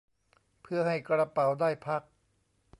เพื่อให้กระเป๋าได้พัก